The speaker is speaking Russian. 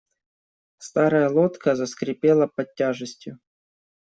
Старая лодка заскрипела под тяжестью.